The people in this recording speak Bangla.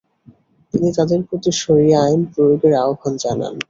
তিনি তাদের প্রতি শরিয়া আইন প্রয়োগের আহ্বান জানান।